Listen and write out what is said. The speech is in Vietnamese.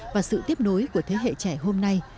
và sự tiếp nối của thế hệ trẻ hôm nay